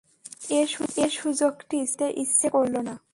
এ সুযোগটি ছেড়ে দিতে ইচ্ছে করল না।